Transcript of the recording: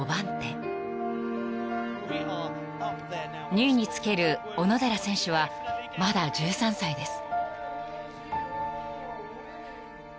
［２位につける小野寺選手はまだ１３歳です］